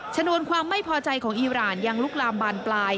ชนวนความไม่พอใจของอีรานยังลุกลามบานปลาย